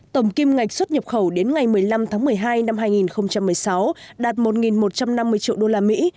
tổng kim ngạch xuất nhập khẩu đến ngày một mươi năm tháng một mươi hai năm hai nghìn một mươi sáu đạt một một trăm năm mươi triệu usd